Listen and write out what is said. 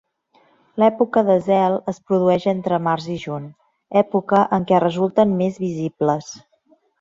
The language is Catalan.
L'època de zel es produeix entre març i juny, època en què resulten més visibles.